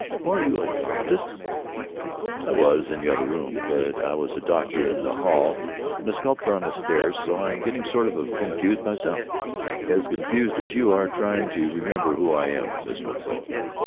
"Oh? Are you a dramatist?" "I was—in the other room. But I was a doctor out in the hall and a sculptor on the stairs, so I'm getting sort of confused myself—as confused as you are, trying to remember who I am, Miss Winslow.